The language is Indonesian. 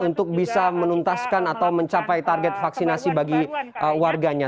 untuk bisa menuntaskan atau mencapai target vaksinasi bagi warganya